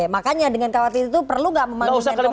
makanya dengan khawatir itu perlu gak memanggil menkopolhukam